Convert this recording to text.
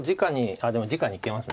あっでもじかにいけます。